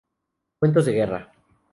Cuentos de guerra.